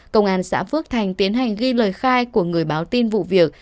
công an xã phước thành tiến hành ghi lời khai của người báo tin vụ việc